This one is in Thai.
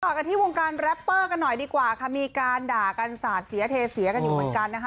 กันที่วงการแรปเปอร์กันหน่อยดีกว่าค่ะมีการด่ากันสาดเสียเทเสียกันอยู่เหมือนกันนะคะ